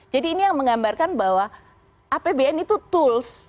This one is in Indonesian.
jadi ini yang menggambarkan bahwa apbn itu tools